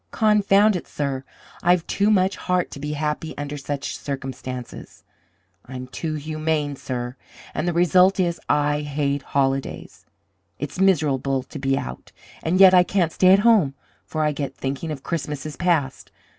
Confound it, sir, I've too much heart to be happy under such circumstances! I'm too humane, sir! And the result is, I hate holidays. It's miserable to be out, and yet I can't stay at home, for I get thinking of Christmases past.